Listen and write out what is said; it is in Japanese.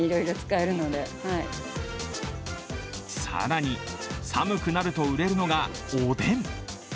更に、寒くなると売れるのがおでん。